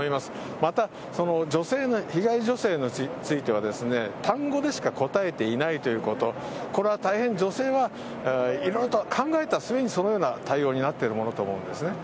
またその女性の、被害女性については、単語でしか答えていないということ、これは大変女性がいろいろと考えた末に、そのような対応になってるものと思われるんですね。